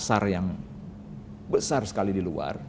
pasar yang besar sekali di luar